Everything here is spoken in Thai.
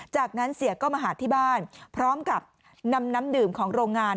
จากนั้นเสียก็มาหาที่บ้านพร้อมกับนำน้ำดื่มของโรงงาน